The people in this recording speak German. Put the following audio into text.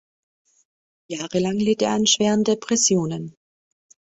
Jahrelang litt er an schweren Depressionen.